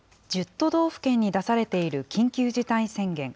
都道府県に出されている緊急事態宣言。